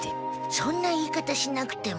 そんな言い方しなくても。